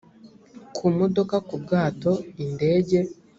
ku modoka ku bwato indege